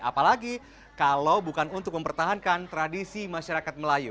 apalagi kalau bukan untuk mempertahankan tradisi masyarakat melayu